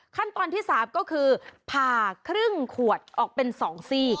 ขั้นตอนที่๓ก็คือผ่าครึ่งขวดออกเป็น๒ซี่